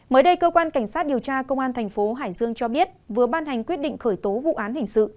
mới đây cơ quan cảnh sát điều tra công an thành phố hải dương cho biết vừa ban hành quyết định khởi tố vụ án hình sự